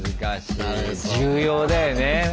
重要だよね。